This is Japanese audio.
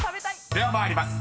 ［では参ります。